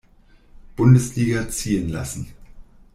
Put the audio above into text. Bundesliga ziehen lassen.